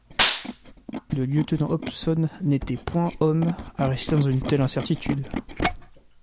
Le lieutenant Hobson n’était point homme à rester dans une telle incertitude!